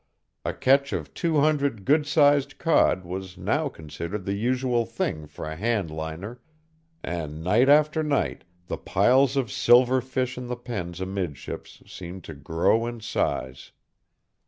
A catch of two hundred good sized cod was now considered the usual thing for a handliner, and night after night the piles of silver fish in the pens amidships seemed to grow in size.